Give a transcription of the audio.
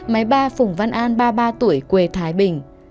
máy ba phùng văn an ba mươi ba tuổi quê thái bình